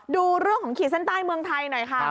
ดูเรื่องของขีดเส้นใต้เมืองไทยหน่อยค่ะ